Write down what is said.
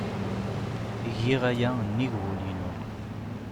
Giɣ aya nnig wul-inu!